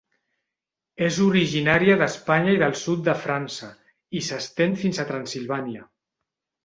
És originària d'Espanya i del sud de França, i s'estén fins a Transsilvània.